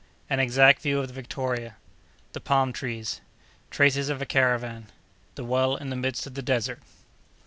—An Exact View of the Victoria.—The Palm Trees.—Traces of a Caravan.—The Well in the Midst of the Desert.